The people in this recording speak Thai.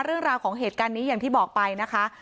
เรื่องราวของเหตุการณ์นี้อย่างที่บอกไปนะคะ